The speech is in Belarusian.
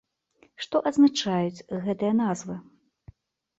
Што азначаюць гэтыя назвы?